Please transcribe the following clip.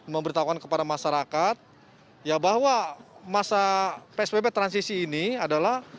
memberitahukan kepada masyarakat ya bahwa masa psbb transisi ini adalah